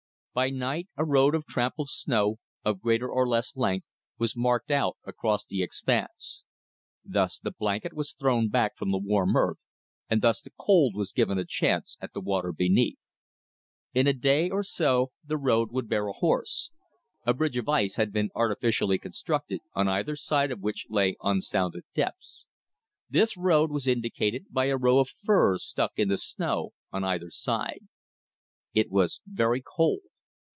By night a road of trampled snow, of greater or less length, was marked out across the expanse. Thus the blanket was thrown back from the warm earth, and thus the cold was given a chance at the water beneath. In a day or so the road would bear a horse. A bridge of ice had been artificially constructed, on either side of which lay unsounded depths. This road was indicated by a row of firs stuck in the snow on either side. It was very cold.